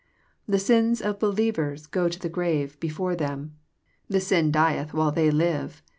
The sins of believers go to the grave be fore them ; sin dieth while they live.